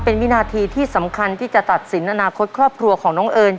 เป็นวินาทีที่สำคัญที่จะตัดสินอนาคตครอบครัวของน้องเอิญ